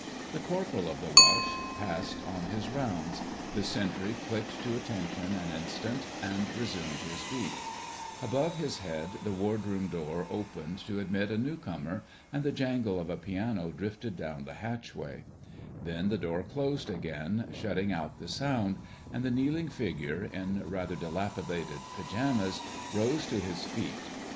The corporal of the watch passed on his rounds: the sentry clicked to attention an instant, and resumed his beat: above his head the ward room door opened to admit a new comer, and the jangle of a piano drifted down the hatchway; then the door closed again, shutting out the sound, and the kneeling figure, in rather dilapidated pyjamas, rose to his feet.